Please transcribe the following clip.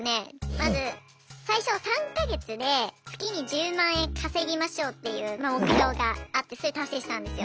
まず最初３か月で月に１０万円稼ぎましょうっていう目標があってそれ達成したんですよ。